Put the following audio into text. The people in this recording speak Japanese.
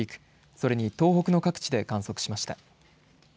それに東北の各地で観測しました。